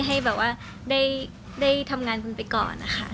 ให้แบบว่าได้ทำงานกันไปก่อน